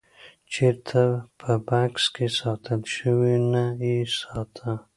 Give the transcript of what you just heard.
چېرته په بکس کې ساتلی شوو نه یې ساته.